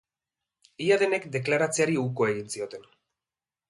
Ia denek deklaratzeari uko egin zioten.